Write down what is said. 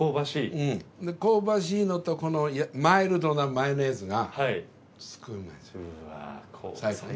で香ばしいのとこのマイルドなマヨネーズがすごいうまいんですよね。